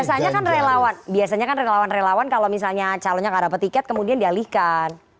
biasanya kan relawan biasanya kan relawan relawan kalau misalnya calonnya gak dapat tiket kemudian dialihkan